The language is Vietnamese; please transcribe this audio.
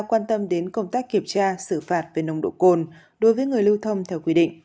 quan tâm đến công tác kiểm tra xử phạt về nồng độ cồn đối với người lưu thông theo quy định